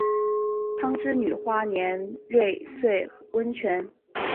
汤之旅花莲瑞穗温泉